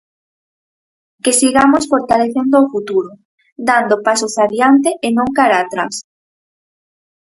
Que sigamos fortalecendo o futuro, dando pasos adiante e non cara atrás.